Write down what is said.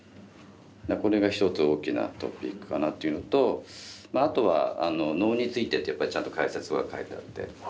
だからこれが一つ大きなトピックかなっていうのとまああとは能についてってやっぱりちゃんと解説は書いてあって。